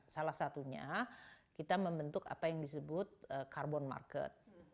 salah satunya kita membentuk apa yang disebut carbon market